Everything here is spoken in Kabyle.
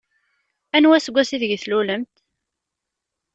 Anwa aseggas ideg tlulemt?